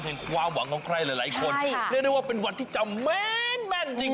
ความหวังของใครหลายคนเรียกได้ว่าเป็นวันที่จำแม่นแม่นจริง